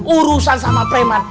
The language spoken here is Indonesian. urusan sama preman